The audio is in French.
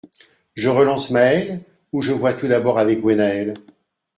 Je relance Mael ou je vois tout d’abord avec Gwennael ?